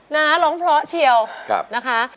นะร้องเพราะเชียวนะคะ